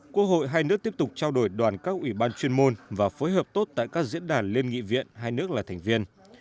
quốc hội hai nước tiếp tục trao đổi đoàn các ủy ban chuyên môn và phối hợp tốt tại các diễn đàn liên nghị viện hai nước là thành viên